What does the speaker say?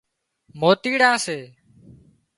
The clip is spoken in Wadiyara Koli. موتيڙان سي